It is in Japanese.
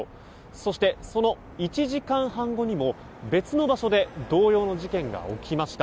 そして、その１時間半後にも別の場所で同様の事件が起きました。